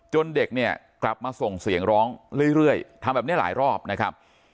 เด็กเนี่ยกลับมาส่งเสียงร้องเรื่อยทำแบบนี้หลายรอบนะครับ